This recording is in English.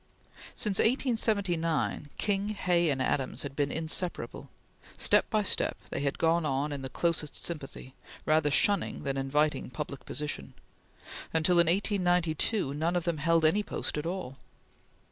Since 1879, King, Hay, and Adams had been inseparable. Step by step, they had gone on in the closest sympathy, rather shunning than inviting public position, until, in 1892, none of them held any post at all.